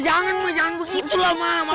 jangan mak jangan begitu lah mak